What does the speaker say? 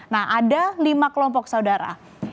nah ada lima kelompok saudara